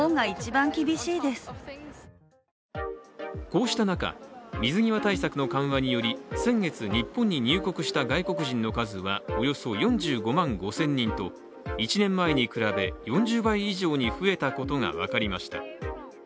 こうした中、水際対策の緩和により先月、日本に入国した外国人の数はおよそ４５万５０００人と、１年前に比べ４０倍以上に増えたことが分かりました。